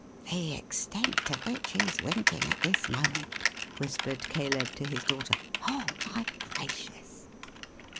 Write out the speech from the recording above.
"The extent to which he's winking at this moment!" whispered Caleb to his daughter. "Oh, my gracious!"